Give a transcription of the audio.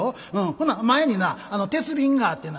ほな前にな鉄瓶があってな